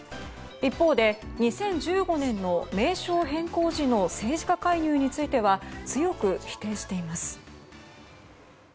一方で２０１５年の名称変更時の政治家介入については強く否定しています。